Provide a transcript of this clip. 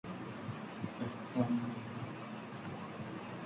His career started during the Second World War as a conscientious objector.